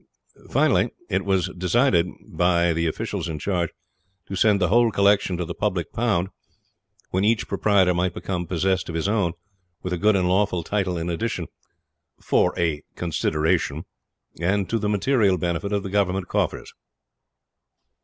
Finally, it was decided by the officials in charge to send the whole collection to the public pound, when each proprietor might become possessed of his own, with a good and lawful title in addition for 'a consideration' and to the material benefit of the Government coffers.